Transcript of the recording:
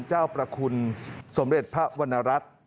เจ้าประคุลสมเด็จพระวัณรัฐ